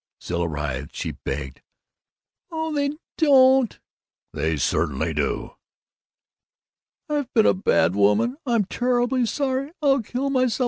Zilla writhed. She begged, "Oh, they don't!" "They certainly do!" "I've been a bad woman! I'm terribly sorry! I'll kill myself!